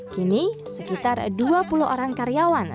kini sekitar dua puluh orang karyawan